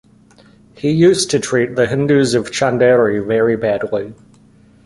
He used to treat the Hindus of Chanderi very badly.